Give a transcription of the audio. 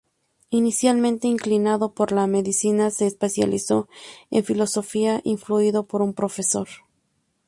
Inicialmente inclinado por la medicina, se especializó en filosofía influido por un profesor.